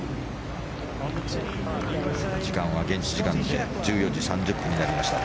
時間は現地時間で１４時３０分になりました。